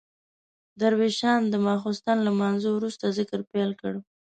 درویشان د ماخستن له لمانځه وروسته ذکر پیل کړ.